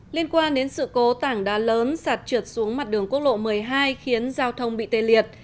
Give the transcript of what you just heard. liên quan đến sự cố tảng đá lớn sạt trượt xuống mặt đường quốc lộ một mươi hai khiến giao thông bị tê liệt